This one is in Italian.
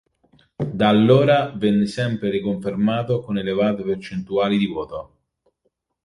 Da allora venne sempre riconfermato con elevate percentuali di voto.